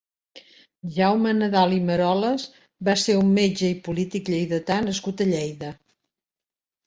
Jaume Nadal i Meroles va ser un metge i polític lleidatà nascut a Lleida.